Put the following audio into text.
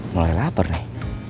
mulai lapar nih